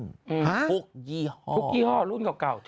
ทุกยี่ห้อทุกยี่ห้อรุ่นเก่า